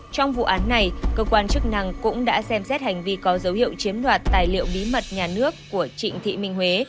trong vụ án này cơ quan chức năng cũng đã xem xét hành vi có dấu hiệu chiếm đoạt tài liệu bí mật nhà nước của trịnh thị minh huế